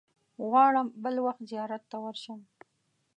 غواړم بل وخت زیارت ته ورشم.